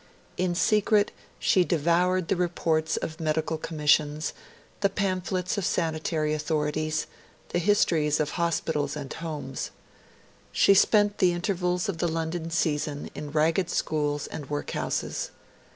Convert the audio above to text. In secret she devoured the reports of medical commissions, the pamphlets of sanitary authorities, the histories of hospitals and homes. She spent the intervals of the London season in ragged schools and workhouses.